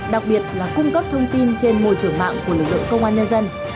đặc biệt là cung cấp thông tin trên môi trường mạng của lực lượng công an nhân dân